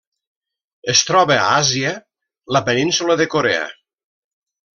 Es troba a Àsia: la península de Corea.